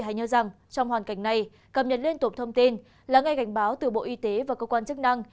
hãy nhớ rằng trong hoàn cảnh này cập nhật liên tục thông tin là ngay cảnh báo từ bộ y tế và cơ quan chức năng